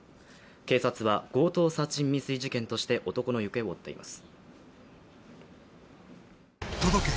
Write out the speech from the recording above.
警察は強盗殺人未遂事件として男の行方を追っています。